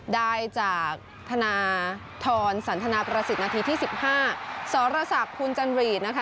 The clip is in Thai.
ได้จากธนาทรรศัลธนาประศิษฐ์นาทีที่สิบห้าสรษกคุณจันหลีนะคะ